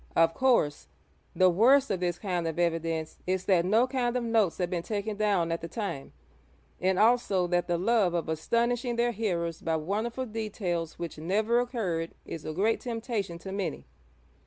Of course, the worst of this kind of evidence is that no kind of notes had been taken down at the time, and also that the love of astonishing their hearers by wonderful details which never occurred is a great temptation to many.